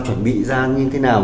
chuẩn bị ra như thế nào